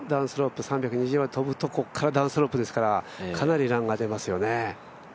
ここからダウンスロープですから、かなりランが出ますよね。